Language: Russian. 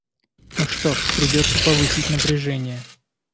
Ну что ж, придется повысить напряжение.